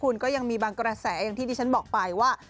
คุณก็ยังมีบางกระแสอย่างที่ดิฉันบอกไปว่า